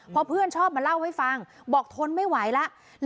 เพราะเพื่อนชอบมาเล่าให้ฟังบอกทนไม่ไหวแล้ว